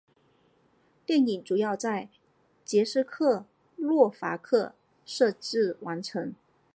电影主要在捷克斯洛伐克摄制完成。